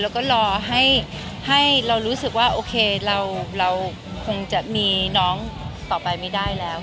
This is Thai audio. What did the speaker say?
แล้วก็รอให้เรารู้สึกว่าโอเคเราคงจะมีน้องต่อไปไม่ได้แล้ว